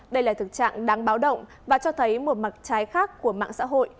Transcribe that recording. đây là thực trạng đáng báo động và cho thấy một mặt trái khác của mạng xã hội